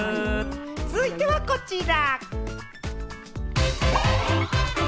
続いてはこちら！